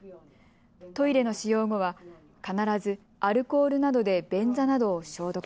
トイレの使用後は必ずアルコールなどで便座などを消毒。